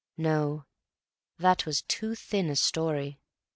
No; that was much too thin a story.